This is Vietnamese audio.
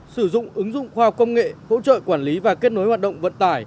sử dụng ứng dụng khoa học công nghệ hỗ trợ quản lý và kết nối hoạt động vận tải